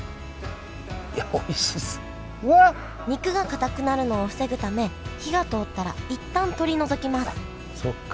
肉がかたくなるのを防ぐため火が通ったら一旦取り除きますそっか。